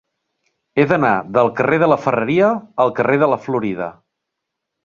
He d'anar del carrer de la Ferreria al carrer de la Florida.